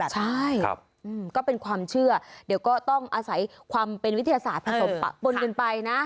ใช่ก็เป็นความเชื่อเดี๋ยวก็ต้องอาศัยความเป็นวิทยาศาสตร์ผสมปะปนกันไปนะ